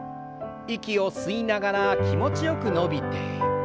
息を吸いながら気持ちよく伸びて。